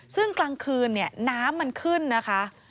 ซึ่งกลางคืนเนี่ยน้ำมันขึ้นนะคะ